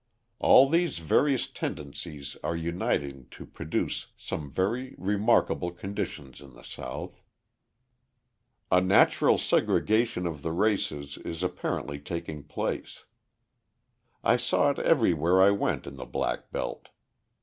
All these various tendencies are uniting to produce some very remarkable conditions in the South. A natural segregation of the races is apparently taking place. I saw it everywhere I went in the black belt.